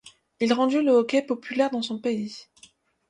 Il rendu le hockey populaire dans son pays.